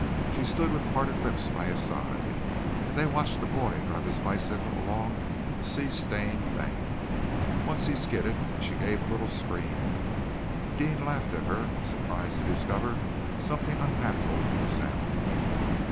She stood with parted lips by his side, and they watched the boy drive his bicycle along the sea stained bank. Once he skidded, and she gave a little scream. Deane laughed at her, surprised to discover something unnatural in the sound.